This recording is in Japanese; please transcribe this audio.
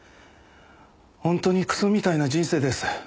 本当にクソみたいな人生です。